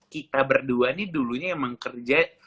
kita berdua nih dulunya emang kerja